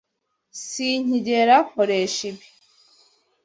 Sinkigera nkoresha ibi.